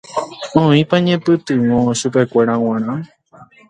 Oĩpa ñepytyvõ chupekuéra g̃uarã.